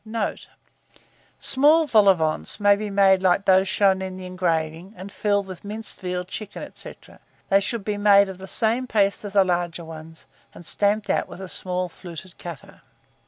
[Illustration: SMALL VOL AU VENTS.] Note. Small vol au vents may be made like those shown in the engraving, and filled with minced veal, chicken, &c. They should be made of the same paste as the larger ones, and stamped out with a small fluted cutter.